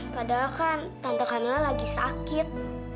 padahal kan tante kamila lagi sakit